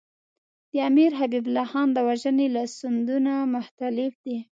د امیر حبیب الله خان د وژنې لاسوندونه مختلف دي.